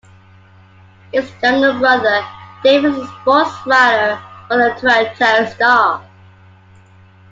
His younger brother Dave is a sportswriter for the "Toronto Star".